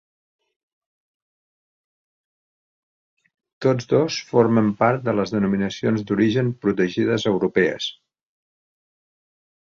Tots dos formen part de les denominacions d'origen protegides europees.